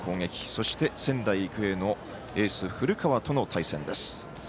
そして、仙台育英のエース古川との対戦です。